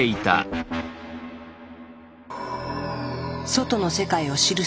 外の世界を知る